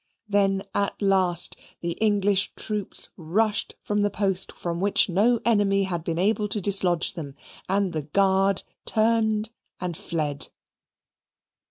Then at last the English troops rushed from the post from which no enemy had been able to dislodge them, and the Guard turned and fled.